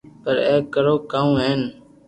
پر اپي ڪرو ڪاو ھين